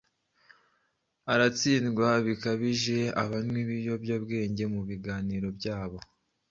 aratsindwa bikabije. Abanywi b’ibiyobyabwenge mu biganiro byabo